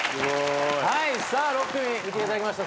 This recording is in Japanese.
さあ６組見ていただきました。